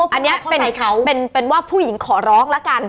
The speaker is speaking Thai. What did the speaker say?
อันนี้เป็นว่าผู้หญิงขอร้องละกัน